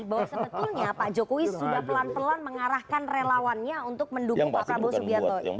bahwa sebetulnya pak jokowi sudah pelan pelan mengarahkan relawannya untuk mendukung pak prabowo subianto